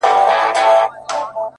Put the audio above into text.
• ویل قیامت یې ویل محشر یې,